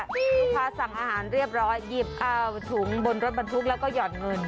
ลูกค้าสั่งอาหารเรียบร้อยหยิบเอาถุงบนรถบรรทุกแล้วก็หย่อนเงิน